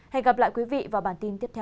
hẹn gặp lại quý vị vào bản tin tiếp theo